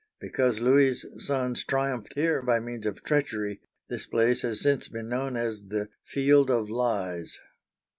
Because Louis's sons triumphed here by means of treachery, this place has since been known as the " Field of Lies."